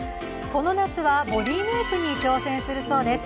この夏は、ボディメイクに挑戦するそうです。